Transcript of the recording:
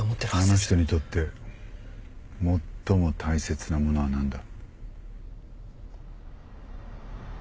あの人にとって最も大切なものは何だ？